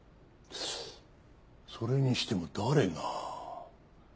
それにしても誰が？